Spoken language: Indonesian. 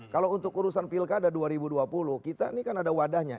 kalau untuk urusan pilkada dua ribu dua puluh kita ini kan ada wadahnya